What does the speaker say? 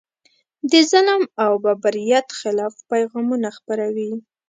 د ظلم او بربریت خلاف پیغامونه خپروي.